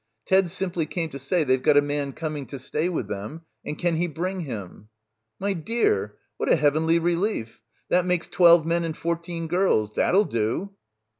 Ted simply came to say they've got a man coming to stay with them and can he bring him." "My dear! What a heavenly relief. That makes twelve men and fourteen girls. That'll do."